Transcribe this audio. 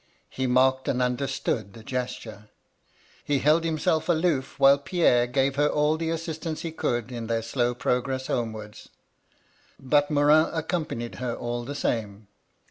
He marked and understood the gesture. He held himself aloof while Pierre gave her all the assistance he could in their slow progress homewards. But Morin accompanied her all the same.